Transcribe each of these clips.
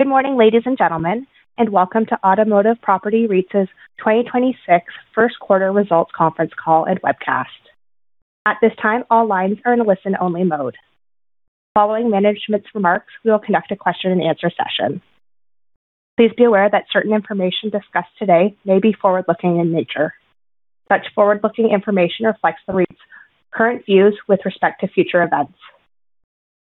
Good morning, ladies and gentlemen, welcome to Automotive Properties REIT's 2026 First Quarter Results Conference Call and Webcast. At this time, all lines are in listen-only mode. Following management's remarks, we will conduct a question-and-answer session. Please be aware that certain information discussed today may be forward-looking in nature. Such forward-looking information reflects the REIT's current views with respect to future events.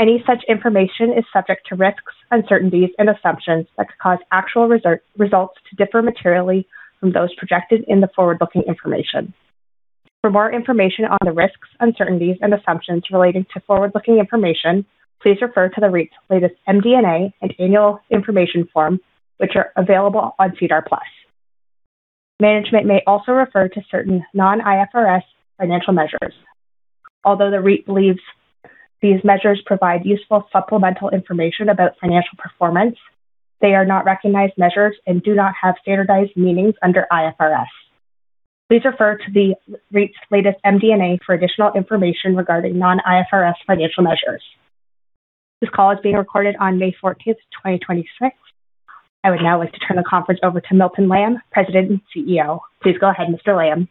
Any such information is subject to risks, uncertainties and assumptions that could cause actual results to differ materially from those projected in the forward-looking information. For more information on the risks, uncertainties and assumptions relating to forward-looking information, please refer to the REIT's latest MD&A and annual information form, which are available on SEDAR+. Management may also refer to certain non-IFRS financial measures. Although the REIT believes these measures provide useful supplemental information about financial performance, they are not recognized measures and do not have standardized meanings under IFRS. Please refer to the REIT's latest MD&A for additional information regarding non-IFRS financial measures. This call is being recorded on May 14, 2026. I would now like to turn the conference over to Milton Lamb, President and CEO. Please go ahead, Mr. Lamb.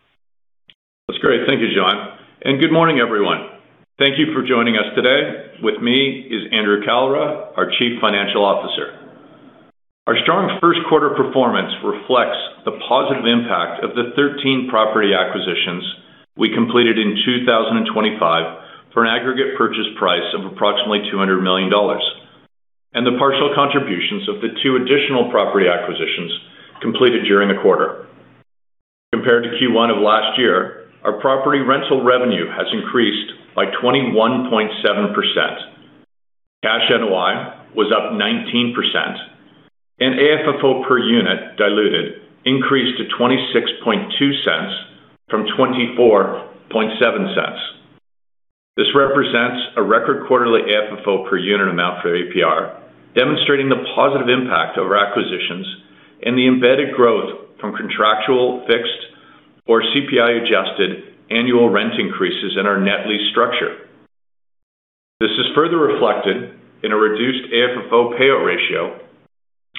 That's great. Thank you, Joanne, and good morning, everyone. Thank you for joining us today. With me is Andrew Kalra, our Chief Financial Officer. Our strong first quarter performance reflects the positive impact of the 13 property acquisitions we completed in 2025 for an aggregate purchase price of approximately $200 million, and the partial contributions of the two additional property acquisitions completed during the quarter. Compared to Q1 of last year, our property rental revenue has increased by 21.7%. Cash NOI was up 19%, and AFFO per unit diluted increased to 0.262 from 0.247. This represents a record quarterly AFFO per unit amount for APR, demonstrating the positive impact of our acquisitions and the embedded growth from contractual fixed or CPI-adjusted annual rent increases in our net lease structure. This is further reflected in a reduced AFFO payout ratio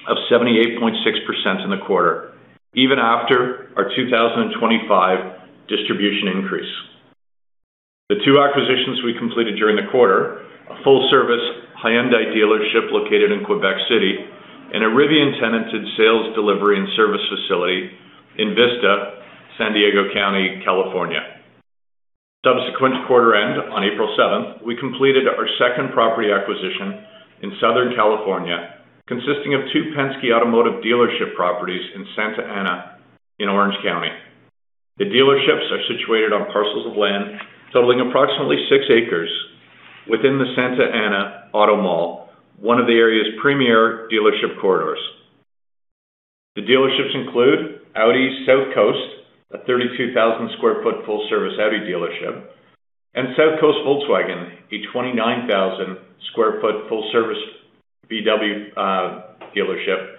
of 78.6% in the quarter, even after our 2025 distribution increase. The two acquisitions we completed during the quarter, a full-service Hyundai dealership located in Quebec City and a Rivian-tenanted sales, delivery, and service facility in Vista, San Diego County, California. Subsequent to quarter end, on April 7th, we completed our second property acquisition in Southern California, consisting of two Penske Automotive dealership properties in Santa Ana in Orange County. The dealerships are situated on parcels of land totaling approximately 6 acres within the Santa Ana Auto Mall, one of the area's premier dealership corridors. The dealerships include Audi South Coast, a 32,000 sq ft full-service Audi dealership, and South Coast Volkswagen, a 29,000 sq ft full-service VW dealership,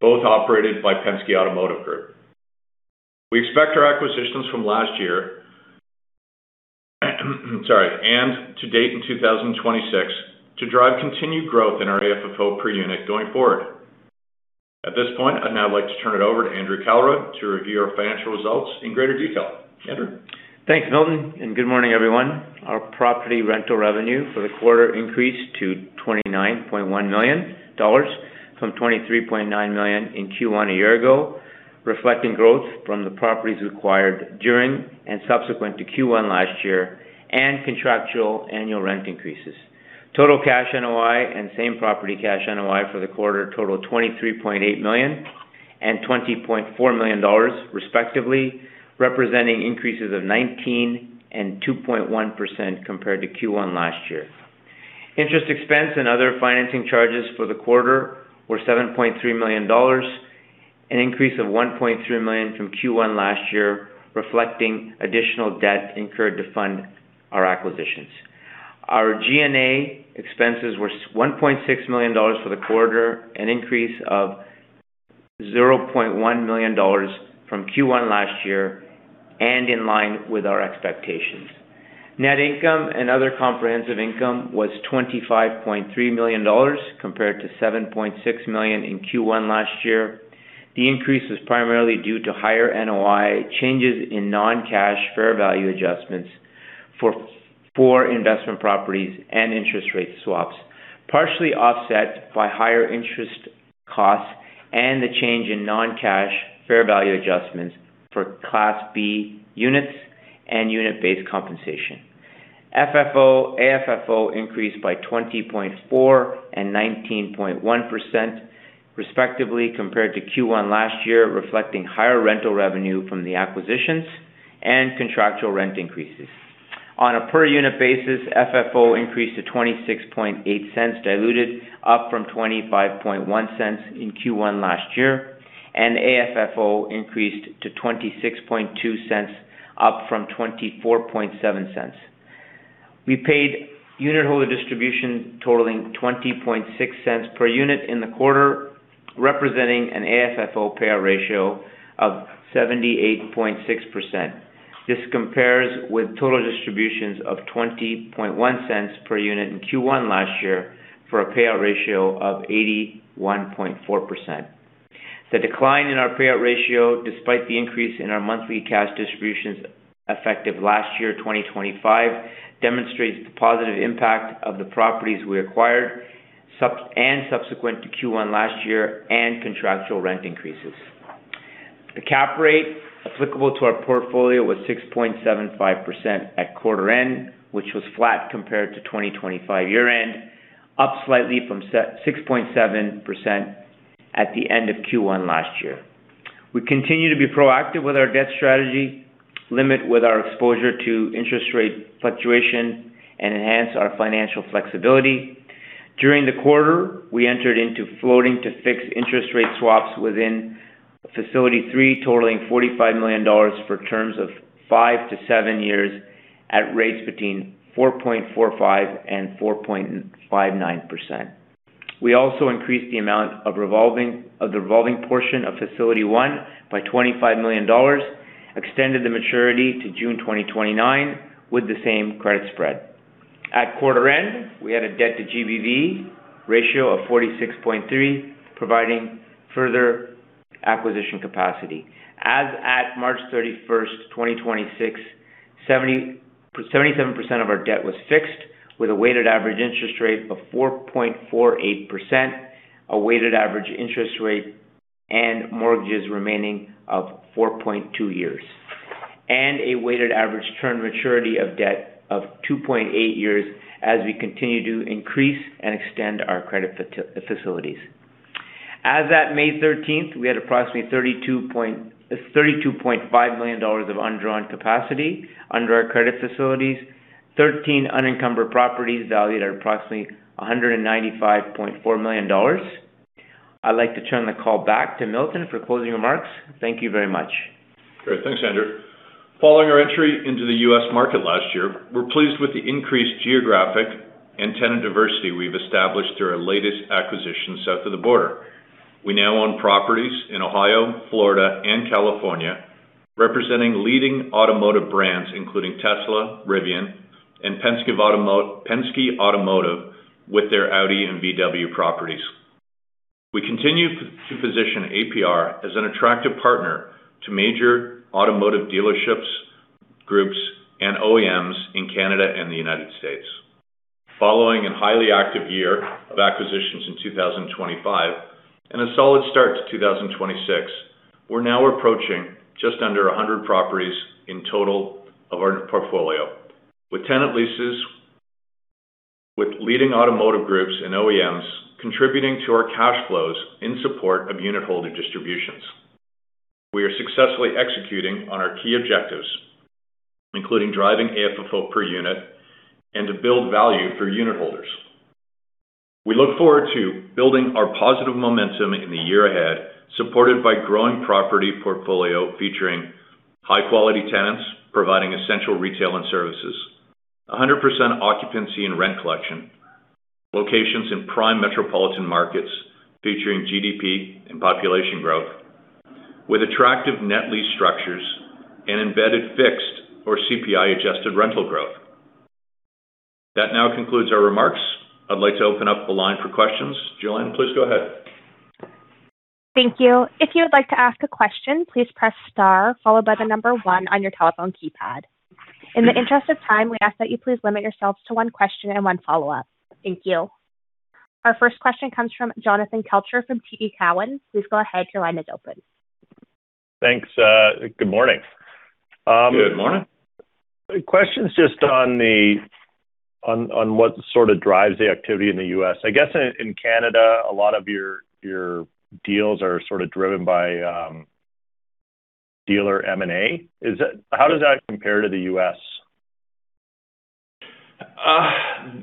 both operated by Penske Automotive Group. We expect our acquisitions from last year, sorry, and to date in 2026 to drive continued growth in our AFFO per unit going forward. At this point, I'd now like to turn it over to Andrew Kalra to review our financial results in greater detail. Andrew. Thanks, Milton. Good morning, everyone. Our property rental revenue for the quarter increased to 29.1 million dollars from 23.9 million in Q1 a year ago, reflecting growth from the properties acquired during and subsequent to Q1 last year and contractual annual rent increases. Total Cash NOI and Same Property Cash NOI for the quarter totaled 23.8 million and 20.4 million dollars, respectively, representing increases of 19% and 2.1% compared to Q1 last year. Interest expense and other financing charges for the quarter were 7.3 million dollars, an increase of 1.3 million from Q1 last year, reflecting additional debt incurred to fund our acquisitions. Our G&A expenses were 1.6 million dollars for the quarter, an increase of 0.1 million dollars from Q1 last year, and in line with our expectations. Net income and other comprehensive income was 25.3 million dollars, compared to 7.6 million in Q1 last year. The increase was primarily due to higher NOI changes in non-cash fair value adjustments for investment properties and interest rate swaps, partially offset by higher interest costs and the change in non-cash fair value adjustments for Class B units and unit-based compensation. FFO, AFFO increased by 20.4% and 19.1% respectively compared to Q1 last year, reflecting higher rental revenue from the acquisitions and contractual rent increases. On a per unit basis, FFO increased to 0.268 diluted, up from 0.251 in Q1 last year, and AFFO increased to 0.262, up from 0.247. We paid unitholder distribution totaling 0.206 per unit in the quarter, representing an AFFO payout ratio of 78.6%. This compares with total distributions of 0.201 per unit in Q1 last year for a payout ratio of 81.4%. The decline in our payout ratio, despite the increase in our monthly cash distributions effective last year, 2025, demonstrates the positive impact of the properties we acquired subsequent to Q1 last year and contractual rent increases. The cap rate applicable to our portfolio was 6.75% at quarter end, which was flat compared to 2025 year end, up slightly from 6.7% at the end of Q1 last year. We continue to be proactive with our debt strategy, limit with our exposure to interest rate fluctuation, and enhance our financial flexibility. During the quarter, we entered into floating to fixed interest rate swaps within facility three, totaling 45 million dollars for terms of five to seven years at rates between 4.45% and 4.59%. We also increased the amount of the revolving portion of facility one by 25 million dollars, extended the maturity to June 2029 with the same credit spread. At quarter end, we had a Debt to GBV ratio of 46.3, providing further acquisition capacity. As at March 31st, 2026, 77% of our debt was fixed with a weighted average interest rate of 4.48%, a weighted average interest rate and mortgages remaining of 4.2 years, and a weighted average term maturity of debt of 2.8 years as we continue to increase and extend our credit facilities. As at May 13th, we had approximately 32.5 million dollars of undrawn capacity under our credit facilities, 13 unencumbered properties valued at approximately 195.4 million dollars. I'd like to turn the call back to Milton for closing remarks. Thank you very much. Great. Thanks, Andrew. Following our entry into the U.S. market last year, we're pleased with the increased geographic and tenant diversity we've established through our latest acquisitions south of the border. We now own properties in Ohio, Florida, and California, representing leading automotive brands, including Tesla, Rivian, and Penske Automotive with their Audi and Volkswagen properties. We continue to position APR as an attractive partner to major automotive dealerships, groups, and OEMs in Canada and the United States. Following a highly active year of acquisitions in 2025 and a solid start to 2026, we're now approaching just under 100 properties in total of our portfolio, with tenant leases with leading automotive groups and OEMs contributing to our cash flows in support of unitholder distributions. We are successfully executing on our key objectives, including driving AFFO per unit and to build value for unitholders. We look forward to building our positive momentum in the year ahead, supported by growing property portfolio featuring high-quality tenants, providing essential retail and services, 100% occupancy and rent collection, locations in prime metropolitan markets featuring GDP and population growth, with attractive net lease structures and embedded fixed or CPI-adjusted rental growth. That now concludes our remarks. I'd like to open up the line for questions. Joanne, please go ahead. Thank you. If you would like to ask a question, please press star followed by the number one on your telephone keypad. In the interest of time, we ask that you please limit yourselves to one question and one follow-up. Thank you. Our first question comes from Jonathan Kelcher from TD Cowen. Please go ahead. Your line is open. Thanks. Good morning. Good morning. Questions just on what sort of drives the activity in the U.S. I guess in Canada, a lot of your deals are sort of driven by dealer M&A. How does that compare to the U.S.? A,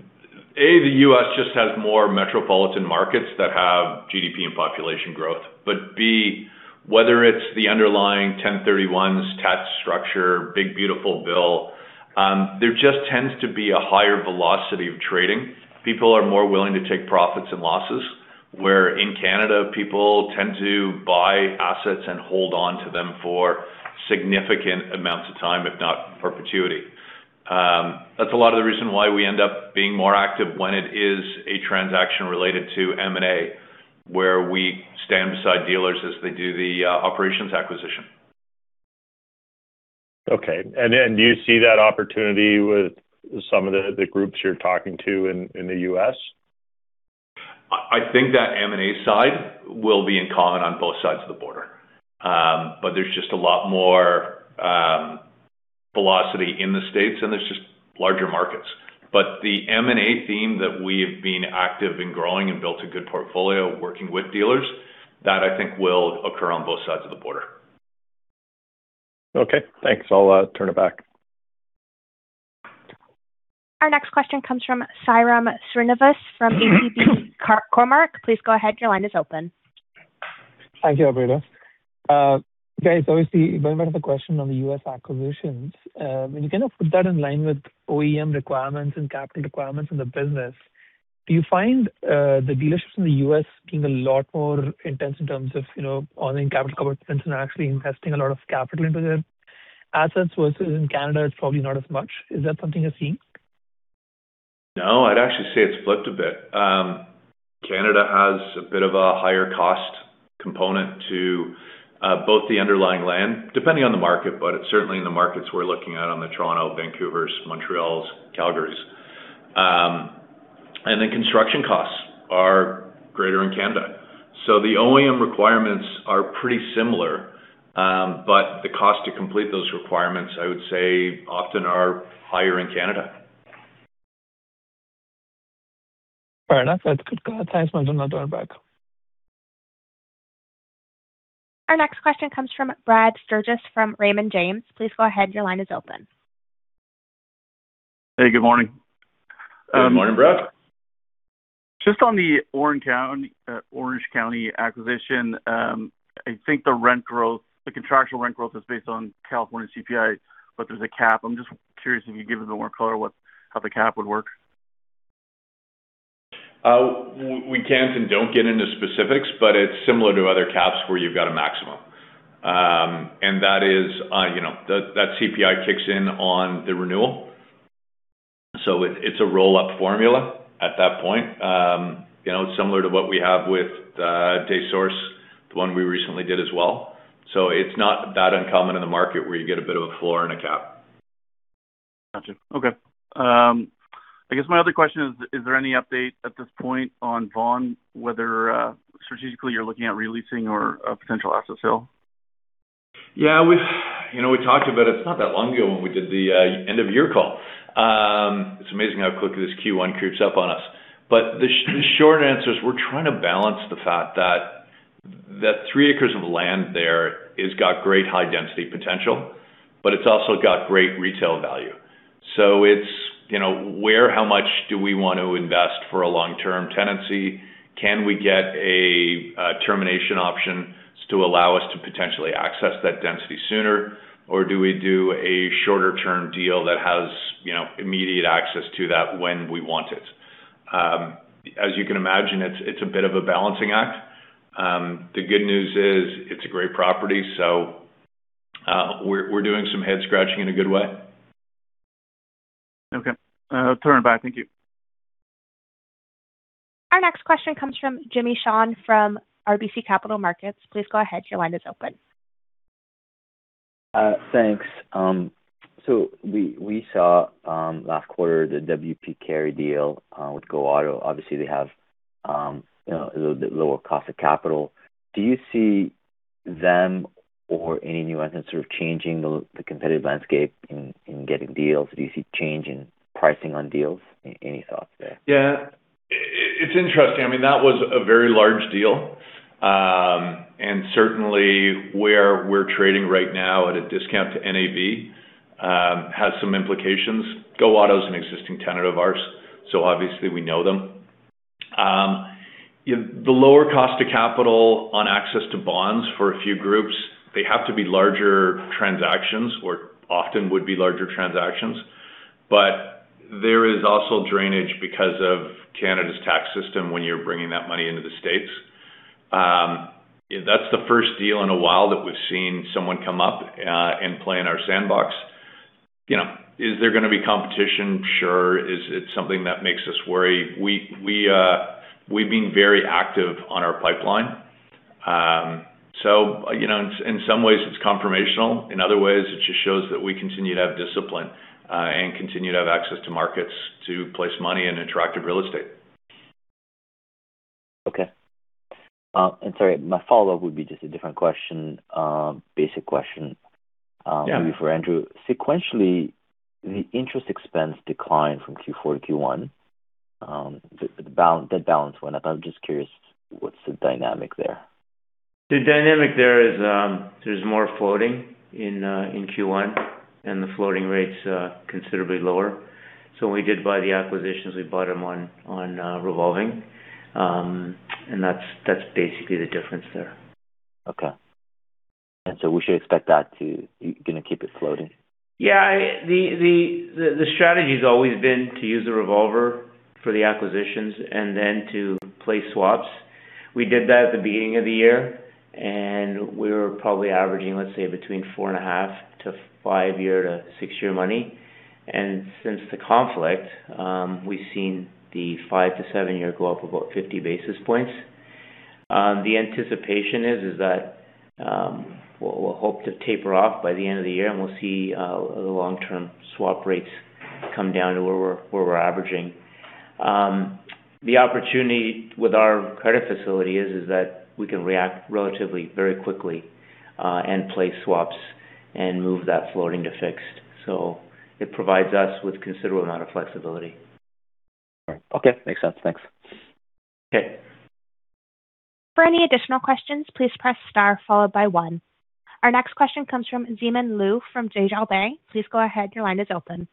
the U.S. just has more metropolitan markets that have GDP and population growth. B, whether it's the underlying 1031 tax structure, big, beautiful bill, there just tends to be a higher velocity of trading. People are more willing to take profits and losses, where in Canada, people tend to buy assets and hold onto them for significant amounts of time, if not perpetuity. That's a lot of the reason why we end up being more active when it is a transaction related to M&A, where we stand beside dealers as they do the operations acquisition. Okay. Then do you see that opportunity with some of the groups you're talking to in the U.S.? I think that M&A side will be in common on both sides of the border. There's just a lot more velocity in the U.S., and there's just larger markets. The M&A theme that we've been active in growing and built a good portfolio working with dealers, that I think will occur on both sides of the border. Okay, thanks. I'll turn it back. Our next question comes from Sairam Srinivas from ATB Cormark. Please go ahead. Your line is open. Thank you, operator. Guys, obviously, going back to the question on the U.S. acquisitions, can you kind of put that in line with OEM requirements and capital requirements in the business? Do you find the dealerships in the U.S. being a lot more intense in terms of, you know, owning capital coverage and actually investing a lot of capital into their assets versus in Canada, it's probably not as much. Is that something you're seeing? No, I'd actually say it's flipped a bit. Canada has a bit of a higher cost component to both the underlying land, depending on the market, but certainly in the markets we're looking at on the Toronto, Vancouvers, Montreals, Calgarys. Construction costs are greater in Canada. The OEM requirements are pretty similar, but the cost to complete those requirements, I would say, often are higher in Canada. Fair enough. That's good. Thanks so much. I'll turn it back. Our next question comes from Brad Sturges from Raymond James. Please go ahead. Your line is open. Hey, good morning. Good morning, Brad. Just on the Orange County acquisition, I think the rent growth, the contractual rent growth is based on California CPI, but there's a cap. I am just curious if you could give a little more color how the cap would work. We can't and don't get into specifics, but it's similar to other caps where you've got a maximum. And that is, you know, that CPI kicks in on the renewal. It's a roll-up formula at that point. You know, similar to what we have with Des Sources, the one we recently did as well. It's not that uncommon in the market where you get a bit of a floor and a cap. Gotcha. Okay. I guess my other question is there any update at this point on Vaughan, whether strategically you're looking at re-leasing or a potential asset sale? Yeah. We talked about it. It's not that long ago when we did the end of year call. It's amazing how quickly this Q1 creeps up on us. The short answer is we're trying to balance the fact that that 3 acres of land there, it's got great high density potential, but it's also got great retail value. It's where, how much do we want to invest for a long-term tenancy? Can we get a termination option to allow us to potentially access that density sooner? Do we do a shorter term deal that has immediate access to that when we want it? As you can imagine, it's a bit of a balancing act. The good news is it's a great property, so we're doing some head scratching in a good way. Okay. Turning back. Thank you. Our next question comes from Jimmy Shan from RBC Capital Markets. Please go ahead. Your line is open. Thanks. We saw last quarter the W.P. Carey deal with Go Auto. Obviously, they have, you know, a little bit lower cost of capital. Do you see them or any new entrants sort of changing the competitive landscape in getting deals? Do you see change in pricing on deals? Any thoughts there? It's interesting. I mean, that was a very large deal. Certainly, where we're trading right now at a discount to NAV, has some implications. Go Auto is an existing tenant of ours, so obviously we know them. You know, the lower cost of capital on access to bonds for a few groups, they have to be larger transactions or often would be larger transactions. There is also drainage because of Canada's tax system when you're bringing that money into the States. That's the first deal in a while that we've seen someone come up and play in our sandbox. You know, is there gonna be competition? Sure. Is it something that makes us worry? We've been very active on our pipeline. You know, in some ways it's confirmational, in other ways, it just shows that we continue to have discipline, and continue to have access to markets to place money in attractive real estate. Okay. Sorry, my follow-up would be just a different question, basic question. Maybe for Andrew. Sequentially, the interest expense declined from Q4 to Q1. That balance went up. I'm just curious, what's the dynamic there? The dynamic there is, there's more floating in Q1, and the floating rate's considerably lower. When we did buy the acquisitions, we bought them on revolving. That's basically the difference there. Okay. We should expect that. You gonna keep it floating? The strategy has always been to use the revolver for the acquisitions and then to play swaps. We did that at the beginning of the year, and we were probably averaging, let's say, between 4.5 to 5 year to 6 year money. Since the conflict, we've seen the five to seven year go up about 50 basis points. The anticipation is that we'll hope to taper off by the end of the year, and we'll see the long-term swap rates come down to where we're averaging. The opportunity with our credit facility is that we can react relatively very quickly and play swaps and move that floating to fixed. It provides us with considerable amount of flexibility. All right. Okay. Makes sense. Thanks. Okay. For any additional questions, please press star followed by one. Our next question comes from Zemin Liu from Desjardins. Please go ahead. Your line is open.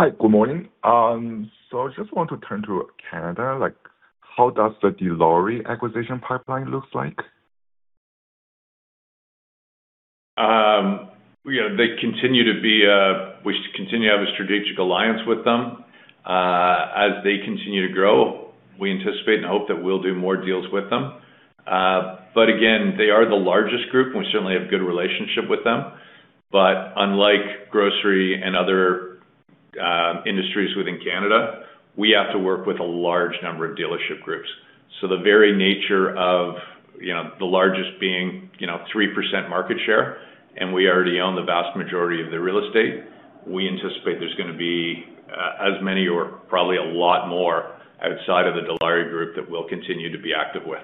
Hi. Good morning. I just want to turn to Canada, like how does the Dilawri acquisition pipeline looks like? You know, they continue to be, we continue to have a strategic alliance with them. As they continue to grow, we anticipate and hope that we'll do more deals with them. Again, they are the largest group, and we certainly have good relationship with them. Unlike grocery and other industries within Canada, we have to work with a large number of dealership groups. The very nature of, you know, the largest being, you know, 3% market share, and we already own the vast majority of the real estate. We anticipate there's going to be as many or probably a lot more outside of the Dilawri Group that we'll continue to be active with.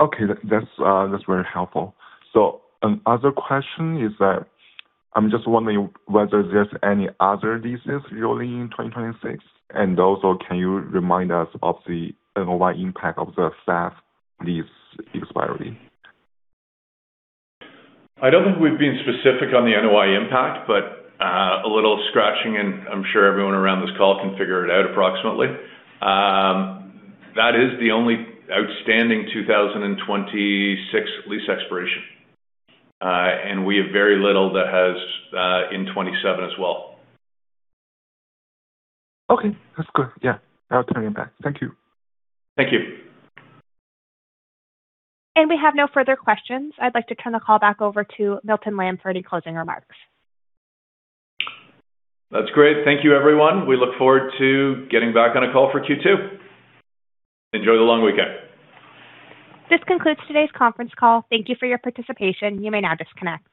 Okay. That's, that's very helpful. Another question is that I'm just wondering whether there's any other leases rolling in 2026. Also, can you remind us about the NOI impact of the Pfaff lease expiry? I don't think we've been specific on the NOI impact, a little scratching, and I'm sure everyone around this call can figure it out approximately. That is the only outstanding 2026 lease expiration. We have very little that has, in 2027 as well. Okay. That's good. Yeah. I'll turn it back. Thank you. Thank you. We have no further questions. I'd like to turn the call back over to Milton Lamb for any closing remarks. That's great. Thank you, everyone. We look forward to getting back on a call for Q2. Enjoy the long weekend. This concludes today's conference call. Thank you for your participation. You may now disconnect.